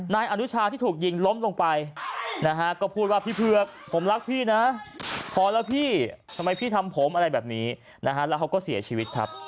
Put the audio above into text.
นายอนุชาที่ถูกยิงล้มลงไปนะฮะก็พูดว่าพี่เผือกผมรักพี่นะพอแล้วพี่ทำไมพี่ทำผมอะไรแบบนี้นะฮะแล้วเขาก็เสียชีวิตครับ